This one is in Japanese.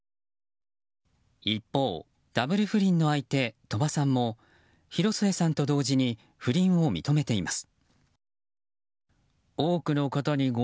一方、ダブル不倫の相手鳥羽さんも広末さんと同時に不倫を認めています。